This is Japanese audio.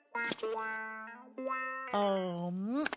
あん！